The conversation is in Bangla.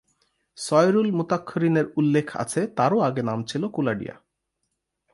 সয়েরউল-মুতাক্ষরীণ এ উল্লেখ আছে তারও আগে নাম ছিল কুলাডিয়া।